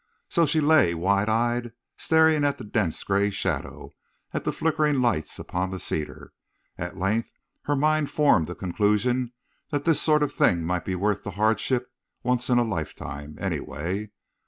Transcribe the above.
So she lay wide eyed, staring at the dense gray shadow, at the flickering lights upon the cedar. At length her mind formed a conclusion that this sort of thing might be worth the hardship once in a lifetime, anyway.